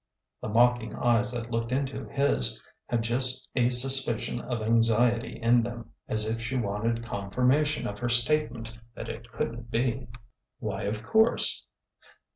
The mocking eyes that looked into his had just a sus picion of anxiety in them, as if she wanted confirmation of her statement that it could n't be. Why of course?"